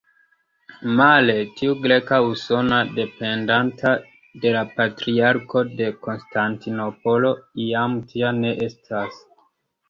Male, tiu greka usona, dependanta de la Patriarko de Konstantinopolo jam tia ne estas.